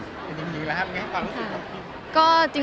เป็นอย่างนี้แล้วครับอย่างไรความรู้สึกค่อนข้าง